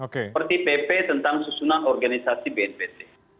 seperti pp tentang susunan organisasi bnpt